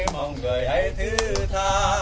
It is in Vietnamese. mong người hãy thư tha